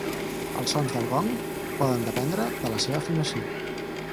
Els sons del gong poden dependre de la seva afinació.